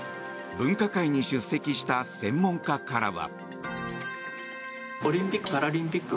分科会に出席した専門家からは。